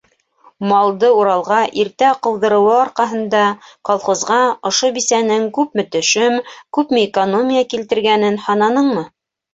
Малды Уралға иртә ҡыуҙырыуы арҡаһында колхозға ошо бисәнең күпме төшөм, күпме экономия килтергәнен һананыңмы?